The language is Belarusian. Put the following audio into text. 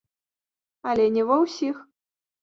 Але не ва ўсіх.